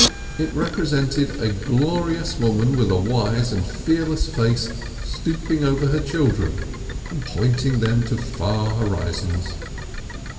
It represented a glorious woman with a wise and fearless face stooping over her children and pointing them to far horizons.